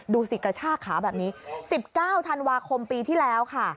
ดูสิกระชากขาแบบนี้๑๙ธันวาคมปีที่แล้วค่ะ